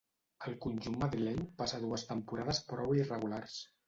Al conjunt madrileny passa dues temporades prou irregulars.